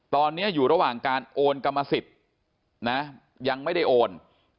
ตอนนี้อยู่ระหว่างการโอนกรรมสิทธิ์นะยังไม่ได้โอน